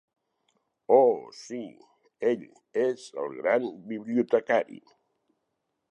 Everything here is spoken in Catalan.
Oh, sí; ell és el gran bibliotecari.